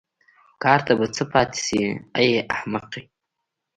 کار ته به څه پاتې شي ای احمقې.